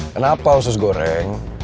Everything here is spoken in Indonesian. kenapa usus goreng